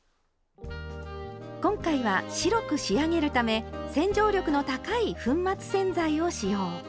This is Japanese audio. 今回は白く仕上げるため洗浄力の高い粉末洗剤を使用。